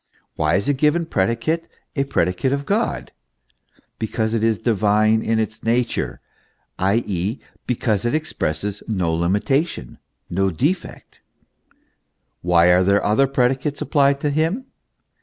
Why is a given predicate a predicate of God ? Because it is divine in its nature ; i.e., because it expresses no limitation, no defect, Why are other predicates applied to Him